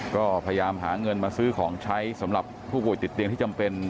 ก็พยายามหาเงินมาซื้อของใช้สำหรับผู้ป่วยติดเตียงที่จำเป็น